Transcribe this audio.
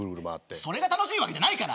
それが楽しいわけじゃないから。